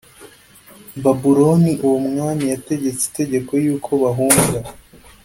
babuloni uwo mwami yategetse itegeko yuko bahunga